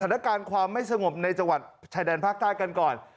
สถานการณ์ความไม่สงบในจังหวัดชายแดนภาคใต้กันก่อน